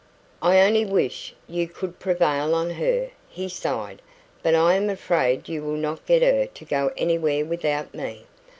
"I only wish you could prevail on her," he sighed. "But I am afraid you will not get her to go anywhere without me.